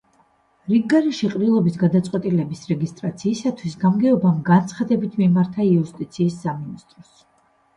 რიგგარეშე ყრილობის გადაწყვეტილების რეგისტრაციისთვის გამგეობამ განცხადებით მიმართა იუსტიციის სამინისტროს.